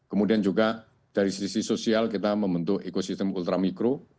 kemudian juga dari sisi sosial kita membentuk ekosistem ultramikro